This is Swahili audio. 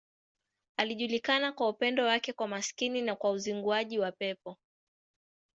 Alijulikana kwa upendo wake kwa maskini na kwa uzinguaji wa pepo.